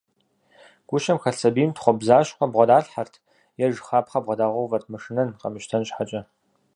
Гущэм хэлъ сэбийм, тхъуэбзащхъуэ бгъэдалъхьэрт, е жыхапхъэ бгъэдагъэувэрт мышынэн, къэмыщтэн щхьэкӏэ.